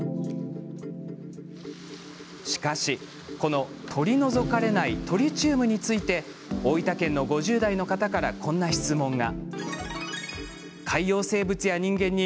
しかし、この取り除かれないトリチウムについて大分県の５０代の方からこんな質問が。